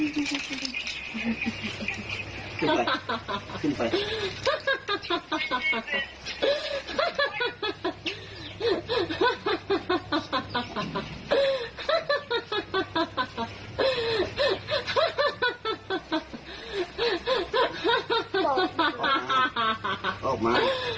จับออกมา